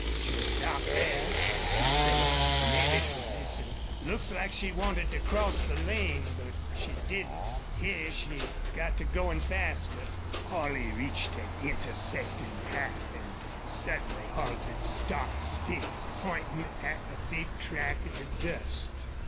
"She stopped there," he said, "mebbe to listen. Looks like she wanted to cross the lane, but she didn't: here she got to goin' faster." Holley reached an intersecting path and suddenly halted stock still, pointing at a big track in the dust.